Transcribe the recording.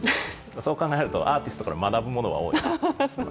そう考えると、アーテストから学ぶものは多いです。